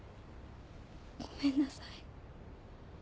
ごめんなさい。